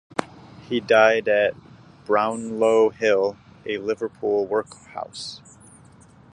He died at Brownlow Hill, a Liverpool workhouse.